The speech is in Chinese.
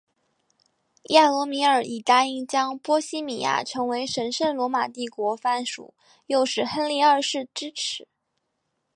亚罗米尔以答应将波希米亚成为神圣罗马帝国藩属诱使亨利二世支持。